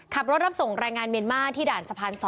ขับรถรับส่งรายงานเมียนมาร์ที่ด่านสะพาน๒